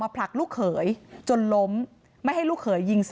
นายพิรายุนั่งอยู่ตรงบันไดบ้านนี่นะคะบ้านอยู่ติดกันแบบนี้นะคะ